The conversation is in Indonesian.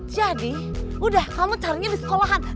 jadi udah kamu carinya di sekolahan